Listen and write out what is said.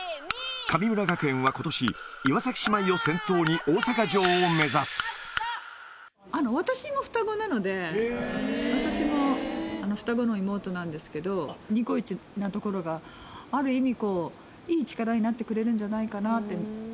神村学園はことし、岩崎姉妹を先頭に、私も双子なので、私も双子の妹なんですけど、ニコイチなところがある意味、こう、いい力になってくれるんじゃないかなって。